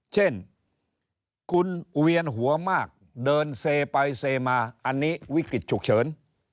เช่นคุณเวียนหัวมากเดินเซไปเซมาอันนี้วิกฤตฉุกเฉิน